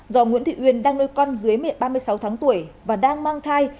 do nguyễn thị uyên đang nuôi con dưới mẹ ba mươi sáu tháng tuổi và đang mang thai